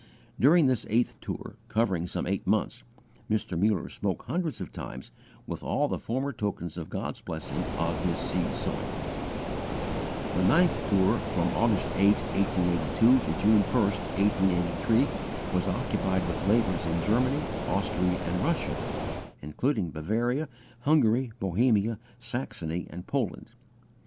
During this eighth tour, covering some eight months, Mr. Muller spoke hundreds of times, with all the former tokens of God's blessing on his seed sowing. The ninth tour, from August 8, 1882, to June 1, 1883, was occupied with labours in Germany, Austria, and Russia, including Bavaria, Hungary, Bohemia, Saxony, and Poland.